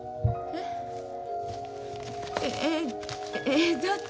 えっ？